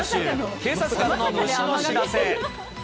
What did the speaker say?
警察官の虫の知らせ。